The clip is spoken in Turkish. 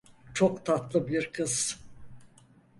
Çok tatlı bir kız.